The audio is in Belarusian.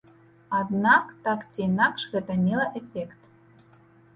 Аднак, так ці інакш, гэта мела эфект.